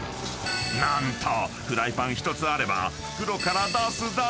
［何とフライパン１つあれば袋から出すだけ］